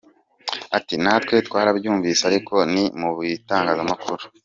Ati: ”Natwe twarabyumvise ariko ni mu bitangazamakuru.